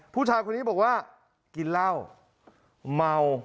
ผู้ชายคนนี้บอกว่ากินเหล้าเมา